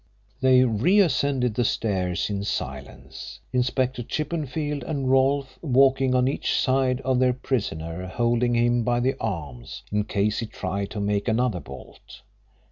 They reascended the stairs in silence, Inspector Chippenfield and Rolfe walking on each side of their prisoner holding him by the arms, in case he tried to make another bolt.